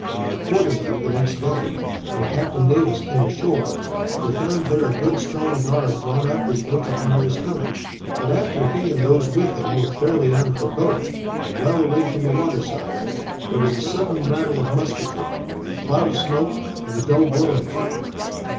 Accordingly, the next day, when Captain Davis came ashore, he found there a good strong guard drawn up as though to honor his coming. But after he and those with him were fairly out of their boat, and well away from the water side, there was a sudden rattle of musketry, a cloud of smoke, and a dull groan or two.